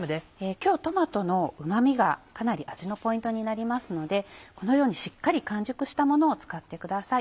今日トマトのうまみがかなり味のポイントになりますのでこのようにしっかり完熟したものを使ってください。